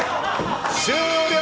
終了！